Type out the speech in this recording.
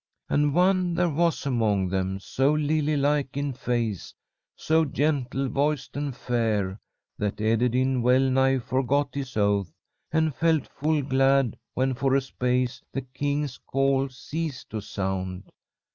And one there was among them, so lily like in face, so gentle voiced and fair, that Ederyn well nigh forgot his oath, and felt full glad when for a space the king's call ceased to sound.